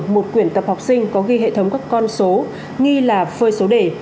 một quyển tập học sinh có ghi hệ thống các con số nghi là phơi số đề